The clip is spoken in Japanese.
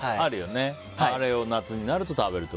あれを夏になると食べると。